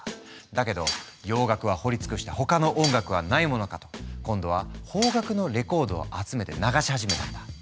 だけど洋楽は掘りつくした他の音楽はないものかと今度は邦楽のレコードを集めて流し始めたんだ。